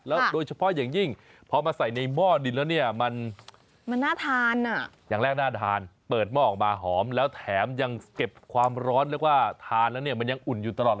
แล้วโดยเฉพาะอย่างยิ่งพอมาใส่ในหม้อดินแล้วเนี่ยมัน